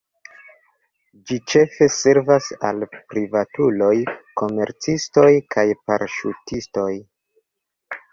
Ĝi ĉefe servas al privatuloj, komercistoj kaj paraŝutistoj.